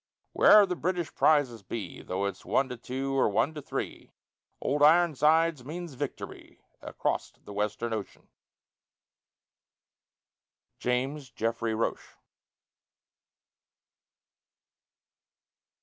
Wherever the British prizes be, Though it's one to two, or one to three, "Old Ironsides" means victory, Acrost the Western ocean. JAMES JEFFREY ROCHE.